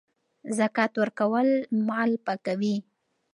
زکات ورکول مال پاکوي.